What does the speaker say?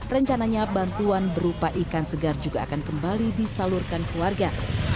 rencananya bantuan berupa ikan segar juga akan kembali disalurkan keluarga